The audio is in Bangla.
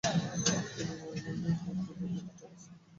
তিনি ম্যারিল্যান্ডের পোর্ট ডেপোজিটের টমস ইনস্টিটিউটে পড়াশোনা করেন।